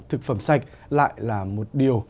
thực phẩm sạch lại là một điều